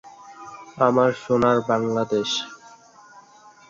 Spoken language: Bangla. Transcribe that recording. তার অভিষেক ঘটে "পেনি ফর আ সং" নাটক দিয়ে।